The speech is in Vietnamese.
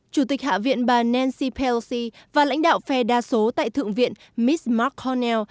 chủ tịch hạ viện bà nancy pelosi và lãnh đạo phe đa số tại thượng viện miss mark cornell